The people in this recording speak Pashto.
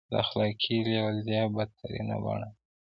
د اخلاقي لوېدا بدترینه بڼه ده.